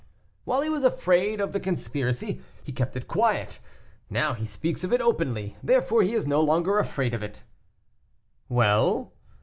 "While he was afraid of the conspiracy, he kept it quiet; now he speaks of it openly, therefore he is no longer afraid of it." "Well?"